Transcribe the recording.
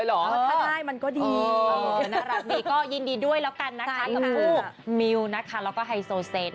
เย็นดียินดีด้วยละกันนะคะกับผู้มิวและฮาซูเซ็ต